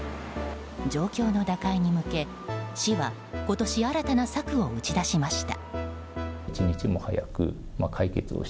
状況の打開に向け、市は今年新たな策を打ち出しました。